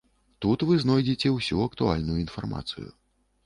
Тут вы знойдзеце ўсю актуальную інфармацыю.